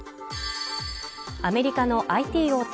アメリカのＩＴ大手